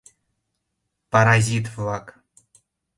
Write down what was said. — Паразит-влак!